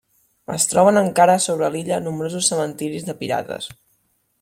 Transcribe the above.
Es troben encara sobre l'illa nombrosos cementiris de pirates.